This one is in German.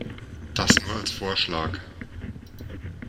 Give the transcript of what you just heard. Das nur als Vorschlag!